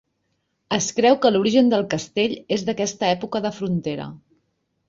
Es creu que l'origen del castell és d'aquesta època de frontera.